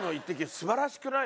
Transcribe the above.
素晴らしくない？